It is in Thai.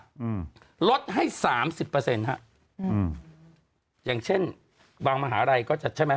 อืมลดให้สามสิบเปอร์เซ็นต์ฮะอืมอย่างเช่นบางมหาลัยก็จะใช่ไหม